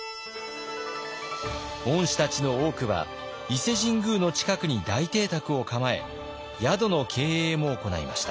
御師たちの多くは伊勢神宮の近くに大邸宅を構え宿の経営も行いました。